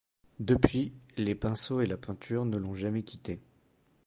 Depuis, les pinceaux et la peinture ne l'ont jamais quitté.